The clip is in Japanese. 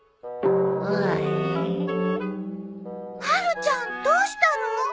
まるちゃんどうしたの？